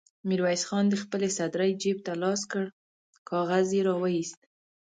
ميرويس خان د خپلې سدرۍ جېب ته لاس کړ، کاغذ يې را وايست.